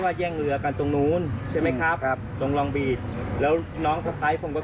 แต่มันมาตรงนี้มันเกิด